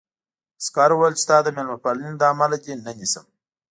عسکر وویل چې ستا د مېلمه پالنې له امله دې نه نیسم